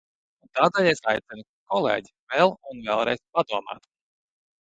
Un tādēļ es aicinu, kolēģi, vēl un vēlreiz padomāt!